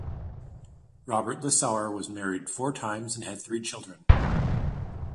Robert Lissauer was married four times and had three children.